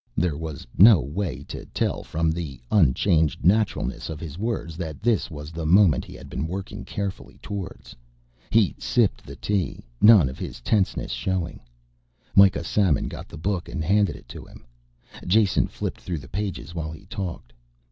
There was no way to tell from the unchanged naturalness of his words that this was the moment he had been working carefully towards. He sipped the tea. None of his tenseness showing. Mikah Samon got the book and handed it to him. Jason flipped through the pages while he talked.